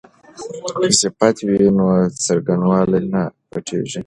که صفت وي نو څرنګوالی نه پټیږي.